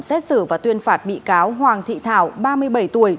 xét xử và tuyên phạt bị cáo hoàng thị thảo ba mươi bảy tuổi